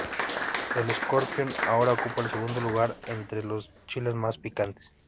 El Scorpion ahora ocupa el segundo lugar entre los chiles más picantes.